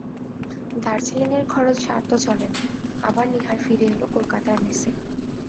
দার্জিলিঙের খরচ আর তো চলে না, আবার নীহার ফিরে এল কলকাতার মেসে।